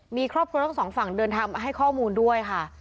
มีครอบครัวทั้งสองฝั่งเดินทางมาให้ข้อมูลด้วยค่ะ